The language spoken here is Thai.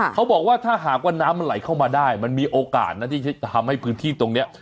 เขาบอกว่าถ้าหากว่าน้ำมันไหลเข้ามาได้มันมีโอกาสนะที่จะทำให้พื้นที่ตรงนี้